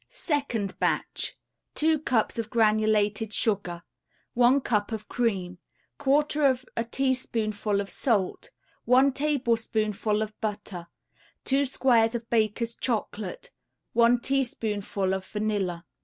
2nd BATCH 2 cups of granulated sugar, 1 cup of cream, 1/4 a teaspoonful of salt, 1 tablespoonful of butter, 2 squares of Baker's Chocolate, 1 teaspoonful of vanilla.